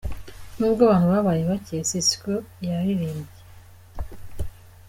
N'ubwo abantu babaye bake, Sisqo yaririmbye.